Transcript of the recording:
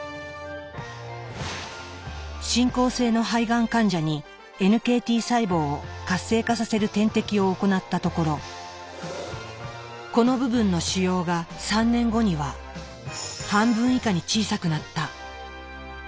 進行性の肺がん患者にＮＫＴ細胞を活性化させる点滴を行ったところこの部分の腫瘍が３年後には半分以下に小さくなった。